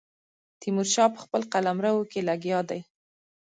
تیمور شاه په خپل قلمرو کې لګیا دی.